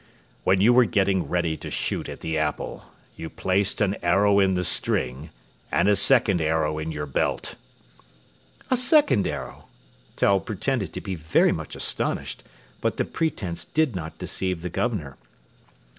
When you were getting ready to shoot at the apple you placed an arrow in the string and a second arrow in your belt." "A second arrow!" Tell pretended to be very much astonished, but the pretence did not deceive the Governor.